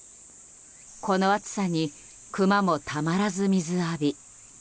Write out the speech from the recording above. この暑さにクマもたまらず水浴び。